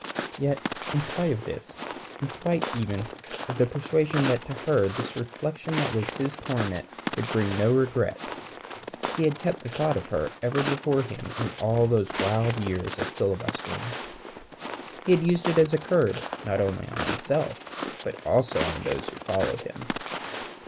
Yet, in spite of this, in spite even of the persuasion that to her this reflection that was his torment could bring no regrets, he had kept the thought of her ever before him in all those wild years of filibustering. He had used it as a curb not only upon himself, but also upon those who followed him.